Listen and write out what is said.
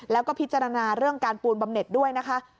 แล้วก็พิจารณาเรื่องการปูนบำเน็ตด้วยนะคะ